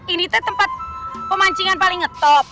ini tuh tempat pemancingan paling top